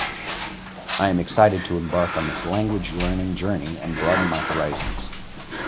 I am excited to embark on this language-learning journey and broaden my horizons.